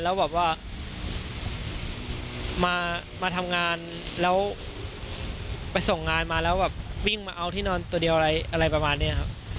แล้วแบบว่ามาทำงานแล้วไปส่งงานมาแล้วแบบวิ่งมาเอาที่นอนตัวเดียวอะไรอะไรประมาณนี้ครับ